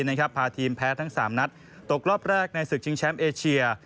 พาทีมแพ้ทั้ง๓นัดตกรอบแรกในศึกชิงแชมป์เอเชีย